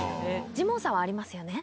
ジモンさんはありますよね。